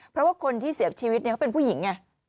เพราะว่าคนที่เสียชีวิตเขาเป็นผู้หญิงไง